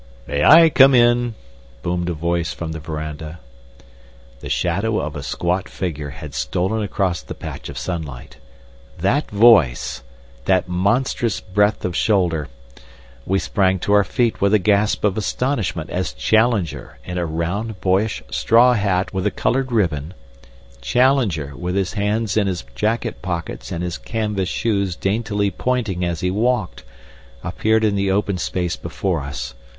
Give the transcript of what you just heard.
"May I come in?" boomed a voice from the veranda. The shadow of a squat figure had stolen across the patch of sunlight. That voice! That monstrous breadth of shoulder! We sprang to our feet with a gasp of astonishment as Challenger, in a round, boyish straw hat with a colored ribbon Challenger, with his hands in his jacket pockets and his canvas shoes daintily pointing as he walked appeared in the open space before us.